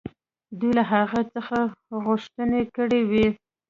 دوی له هغوی څخه غوښتنې کړې وې.